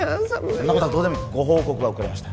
そんなことはどうでもいいご報告が遅れました